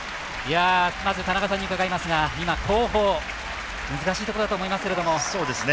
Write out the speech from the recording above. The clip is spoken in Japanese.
まず、田中さんに伺いますが後方、難しいところだったと思いますけど。